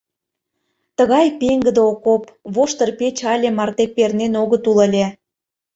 Тыгай пеҥгыде окоп, воштыр пече але марте пернен огыт ул ыле.